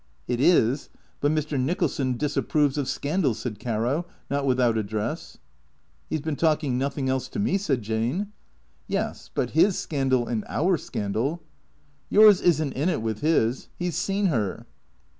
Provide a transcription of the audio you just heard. " It is. But Mr. Nicholson disapproves of scandal," said Caro, not without address. " He 's been talking nothing else to me," said Jane, " Yes, but his scandal and our scandal "" Yours is n't in it with his. He 's seen her."